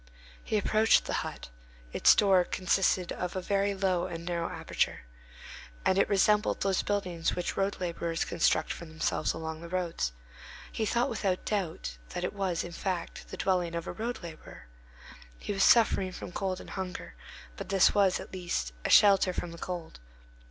He approached the hut; its door consisted of a very low and narrow aperture, and it resembled those buildings which road laborers construct for themselves along the roads. He thought without doubt, that it was, in fact, the dwelling of a road laborer; he was suffering from cold and hunger, but this was, at least, a shelter from the cold.